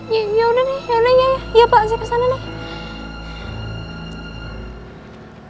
ya udah nih ya pak saya kesana nih